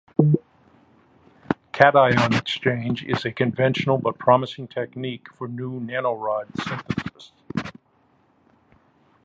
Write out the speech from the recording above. Cation exchange is a conventional but promising technique for new nanorod synthesis.